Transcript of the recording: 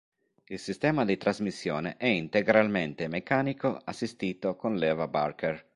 Il sistema di trasmissione è integralmente meccanico assistito con leva Barker.